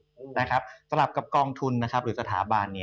สำหรับกับกรองทุนหรือสถาบัน